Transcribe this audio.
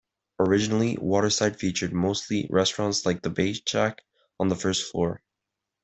Originally, Waterside featured mostly restaurants like The Baitshack on the first floor.